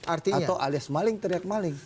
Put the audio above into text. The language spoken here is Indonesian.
atau alias maling teriak maling